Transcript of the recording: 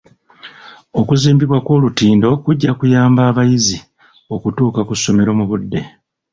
Okuzimbibwa kw'olutindo kujja kuyamba abayizi okutuuka ku ssomero mu budde.